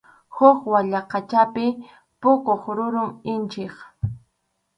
Huk wayaqachapi puquq rurum inchik.